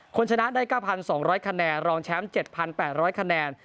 ชนะได้๙๒๐๐คะแนนรองแชมป์๗๘๐๐คะแนน